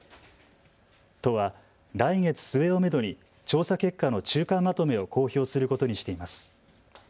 都は来月末をめどに調査結果の中間まとめを公表することにしています。